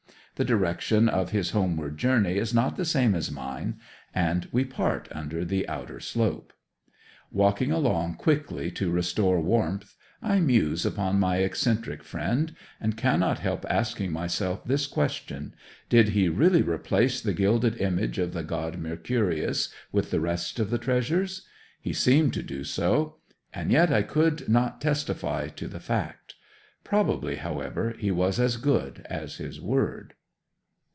The direction of his homeward journey is not the same as mine, and we part under the outer slope. Walking along quickly to restore warmth I muse upon my eccentric friend, and cannot help asking myself this question: Did he really replace the gilded image of the god Mercurius with the rest of the treasures? He seemed to do so; and yet I could not testify to the fact. Probably, however, he was as good as his word.